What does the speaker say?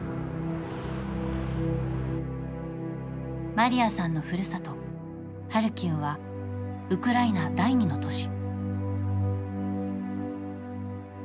マリアさんのふるさと・ハルキウはウクライナ第二の都市。